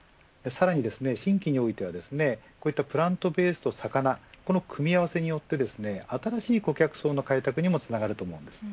新規においてはプラントベースと魚の組み合わせによって新しい顧客層の開拓にもつながると思います。